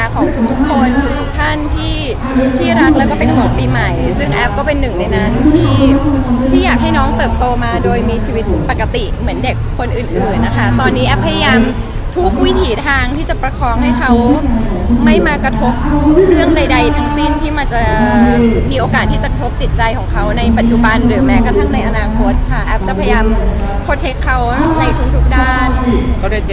ของทุกคนทุกท่านที่รักแล้วก็เป็นห่วงปีใหม่ซึ่งแอฟก็เป็นหนึ่งในนั้นที่อยากให้น้องเติบโตมาโดยมีชีวิตปกติเหมือนเด็กคนอื่นนะคะตอนนี้แอฟพยายามทุกวิถีทางที่จะประคองให้เขาไม่มากระทบเรื่องใดทั้งสิ้นที่มันจะมีโอกาสที่จะครบจิตใจของเขาในปัจจุบันหรือแม้กระทั่งในอนาคตค่ะแอฟจะพยายามคดเทคเขาในทุกทุกด้าน